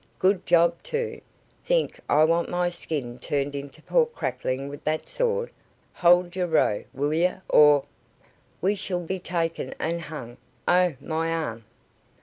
"Good job, too. Think I wanted my skin turned into pork crackling with that sword? Hold yer row, will yer, or " "We shall be taken and hung. Oh, my arm!"